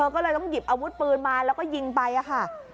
ก็เลยต้องหยิบอาวุธปืนมาแล้วก็ยิงไปค่ะ